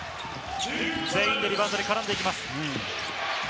全員でリバウンドに絡んでいきます。